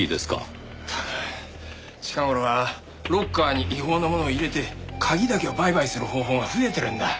近頃はロッカーに違法なものを入れて鍵だけを売買する方法が増えてるんだ。